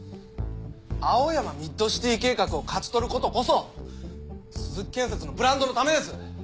青山ミッドシティ計画を勝ち取ることこそ鈴木建設のブランドのためです！